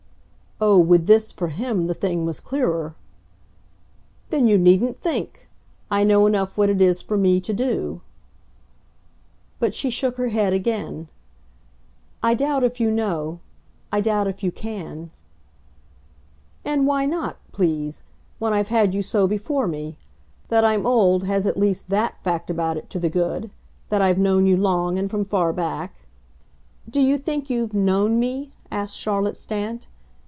Oh, with this, for him, the thing was clearer! "Then you needn't think. I know enough what it is for me to do." But she shook her head again. "I doubt if you know. I doubt if you CAN." "And why not, please when I've had you so before me? That I'm old has at least THAT fact about it to the good that I've known you long and from far back." "Do you think you've 'known' me?" asked Charlotte Stant.